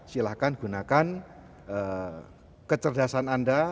silahkan gunakan kecerdasan anda